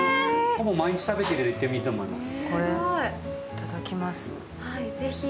ほぼ毎日食べているといっていいと思います。